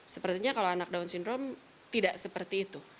sepertinya kalau anak down syndrome tidak seperti itu